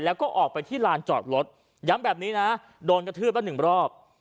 แล้วก็ออกไปที่ลานจอดรถย้ำแบบนี้นะโดนกระทืบละหนึ่งรอบ